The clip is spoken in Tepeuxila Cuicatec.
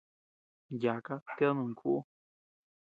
Yaka, ted nuni kuʼu.